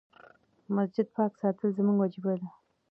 د مسجد پاک ساتل زموږ وجيبه ده.